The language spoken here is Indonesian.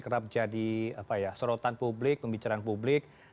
kerap jadi sorotan publik pembicaraan publik